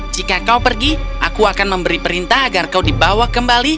jika kau pergi aku akan memberi perintah agar kau dibawa kembali